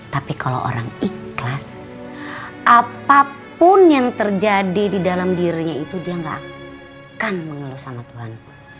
tapi kalau orang ikhlas apapun yang terjadi di dalam dirinya itu dia gak akan mengeluh sama tuhan